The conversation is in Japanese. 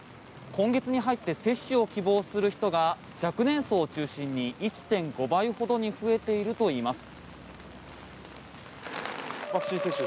今月に入って接種を希望する人が若年層を中心に１．５倍ほどに増えているといいます。